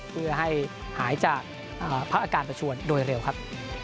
เพื่อให้หายจากพระอาการประชวนโดยเร็วครับ